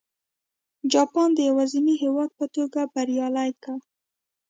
جاپان د یوازیني هېواد په توګه بریالی کړ.